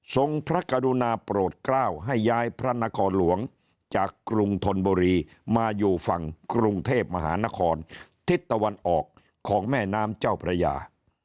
พระกรุณาโปรดกล้าวให้ย้ายพระนครหลวงจากกรุงธนบุรีมาอยู่ฝั่งกรุงเทพมหานครทิศตะวันออกของแม่น้ำเจ้าพระยา